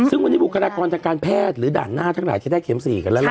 ซึ่งวันนี้บุคลากรทางการแพทย์หรือด่านหน้าทั้งหลายจะได้เข็ม๔กันแล้วล่ะ